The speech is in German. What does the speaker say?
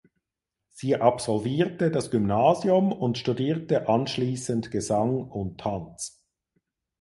Sie absolvierte das Gymnasium und studierte anschließend Gesang und Tanz.